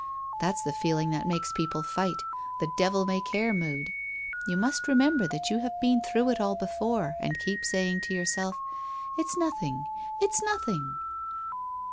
That's the feeling that makes people fight, the devil may care mood! You must remember that you have been through it all before, and keep saying to yourself, "It's nothing! It's nothing!"'